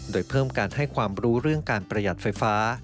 โดยเพิ่มการให้ความรู้เรื่องการประหยัดไฟฟ้า